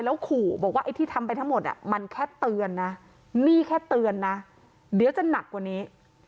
แล้วขู่บอกว่าไอ้ที่ทำไปทั้งหมดมันแค่เตือนนะนี่แค่เตือนนะเดี๋ยวจะหนักกว่านี้